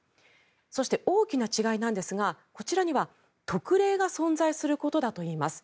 そして、大きな違いなんですがこちらには特例が存在することだといいます。